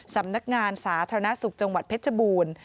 สำนักงานสาธารณสุขจังหวัดเพชรบูรณ์